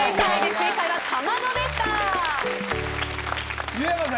正解は「かまど」でした湯山さん